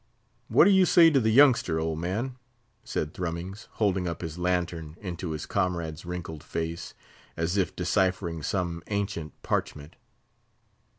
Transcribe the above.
"What do you say to the youngster, old man?" said Thrummings, holding up his lantern into his comrade's wrinkled face, as if deciphering some ancient parchment.